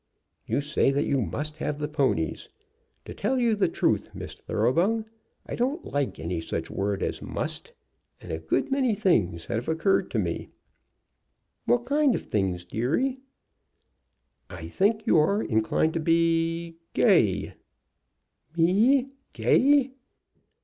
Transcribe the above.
You say that you must have the ponies. To tell you the truth, Miss Thoroughbung, I don't like any such word as 'must.' And a good many things have occurred to me." "What kind of things, deary?" "I think you are inclined to be gay " "Me! gay!"